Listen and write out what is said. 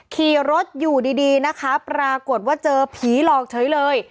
ขี่รถอยู่ดีนะคะปรากฏว่าเจอผีหลอกเฉยเลย